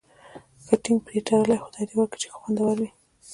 ښه ټینګ پرې تړلی، خدای دې وکړي چې ښه خوندور وي.